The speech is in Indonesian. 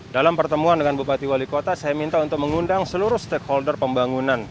dalam pertemuan dengan bupati wali kota saya minta untuk mengundang seluruh stakeholder pembangunan